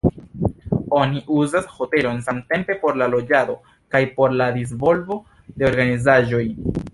Oni uzas hotelon samtempe por la loĝado kaj por la disvolvo de organizaĵoj.